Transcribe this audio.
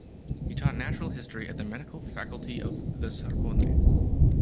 He taught natural history at the Medical Faculty of the Sorbonne.